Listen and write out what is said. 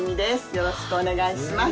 よろしくお願いします